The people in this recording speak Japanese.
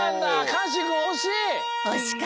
かんしゅんくんおしい！